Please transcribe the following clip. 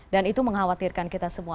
dan itu mengkhawatirkan kita semua